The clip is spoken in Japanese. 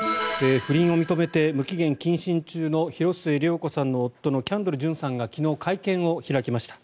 不倫を認めて無期限謹慎中の広末涼子さんの夫のキャンドル・ジュンさんが昨日、会見を開きました。